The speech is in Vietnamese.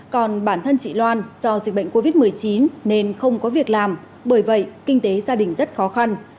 còn bản thân chị loan do dịch bệnh covid một mươi chín nên không có việc làm bởi vậy kinh tế gia đình rất khó khăn